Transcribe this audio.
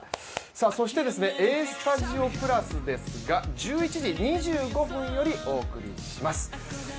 そして「Ａ−Ｓｔｕｄｉｏ＋」ですが、１１時２５分よりお送りします。